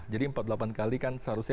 jadi empat puluh delapan kali kan seharusnya